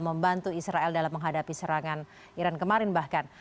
membantu israel dalam menghadapi serangan iran kemarin bahkan